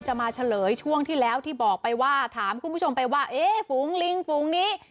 มาเฉลยช่วงที่แล้วที่บอกไปว่าถามคุณผู้ชมไปว่าเอ๊ะฝูงลิงฝูงนี้